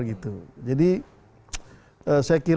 justru perdebatannya spansial